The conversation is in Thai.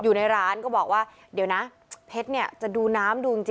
อยู่ในร้านก็บอกว่าเดี๋ยวนะเพชรเนี่ยจะดูน้ำดูจริง